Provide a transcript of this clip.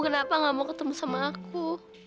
kenapa kamu tidak mau bertemu dengan aku